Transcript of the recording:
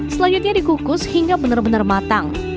selanjutnya dikukus hingga benar benar matang